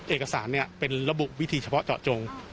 เอกสารเป็นระบุวิธีเฉพาะเจาะจง